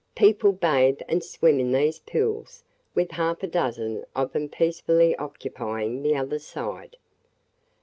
People bathe and swim in these pools with half a dozen of 'em peacefully occupying the other side."